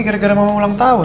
gara gara ngomong ulang tahun